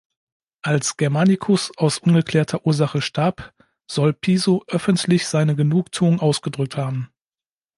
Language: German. Als Germanicus aus ungeklärter Ursache starb, soll Piso öffentlich seine Genugtuung ausgedrückt haben.